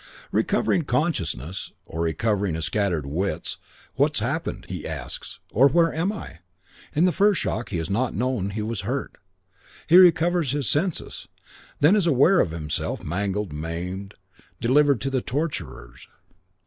Recovering consciousness, or recovering his scattered wits, "What's happened?" he asks; or "Where am I?" In the first shock he has not known he was hurt. He recovers his senses. He then is aware of himself mangled, maimed, delivered to the torturers.